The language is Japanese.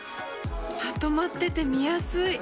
まとまってて見やすい！